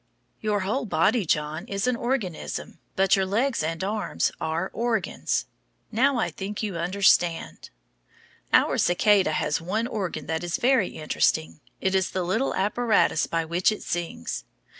Your whole body, John, is an organism, but your legs and arms are organs. Now, I think you understand. Our cicada has one organ that is very interesting; it is the little apparatus by which it sings.